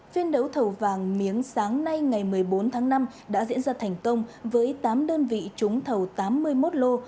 phiên đấu thầu vàng miếng sáng nay ngày một mươi bốn tháng năm đã diễn ra thành công với tám đơn vị trúng thầu tám mươi một lô